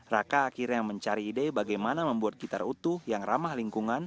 raka akhirnya mencari ide bagaimana membuat gitar utuh yang ramah lingkungan